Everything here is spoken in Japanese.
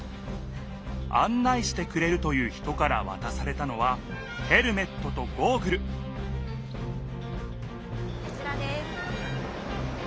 案内してくれるという人からわたされたのはヘルメットとゴーグルこちらです。